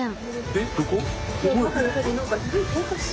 えっどこ！？